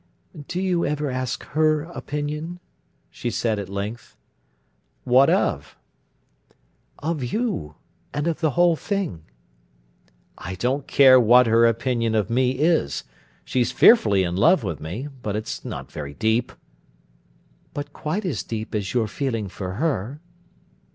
"Do you ever ask her opinion?" she said at length. "What of?" "Of you, and the whole thing." "I don't care what her opinion of me is. She's fearfully in love with me, but it's not very deep." "But quite as deep as your feeling for her."